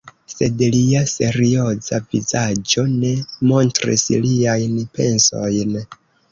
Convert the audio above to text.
Sed lia serioza vizaĝo ne montris liajn pensojn.